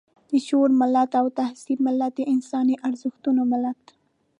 د شعور ملت، د تهذيب ملت، د انساني ارزښتونو ملت.